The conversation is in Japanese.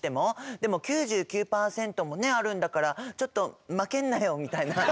でも９９％もねあるんだからちょっと「負けんなよ」みたいな。